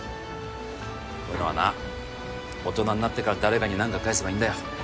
こういうのはな大人になってから誰かに何か返せばいいんだよ